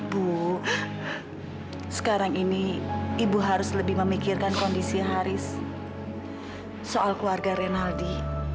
bu sekarang ini ibu harus lebih memikirkan kondisi haris soal keluarga renaldi